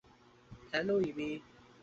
Hello, ইবি।